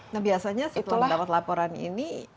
nah biasanya setelah mendapat laporan ini